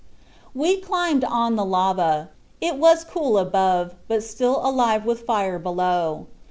"We climbed on the lava. It was cool above but still alive with fire below.